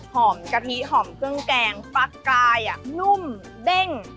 กะทิหอมเครื่องแกงฟักกลายนุ่มเด้ง